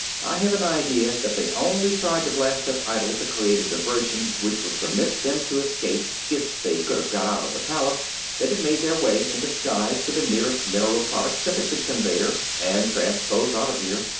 I have an idea that they only tried to blast that idol to create a diversion which would permit them to escape if they could have got out of the palace, they'd have made their way, in disguise, to the nearest Mineral Products Syndicate conveyer and transposed out of here.